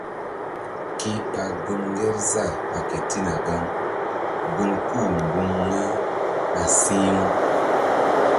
Ke ɓa gun Ŋgerzah ɓa ketina gaŋ gun kú-u mbuŋ ra ɓah si̧h-u.